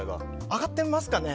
上がってますかね？